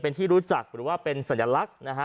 เป็นที่รู้จักหรือว่าเป็นสัญลักษณ์นะฮะ